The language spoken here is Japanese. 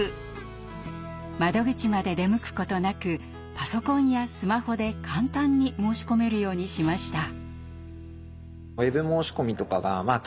窓口まで出向くことなくパソコンやスマホで簡単に申し込めるようにしました。